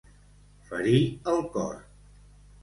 Ferir el cor.